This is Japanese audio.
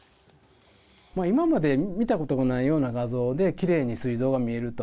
今まで見たこともないような画像で、きれいにすい臓が見えると。